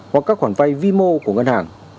hoặc các khoản vay vi mô của ngân hàng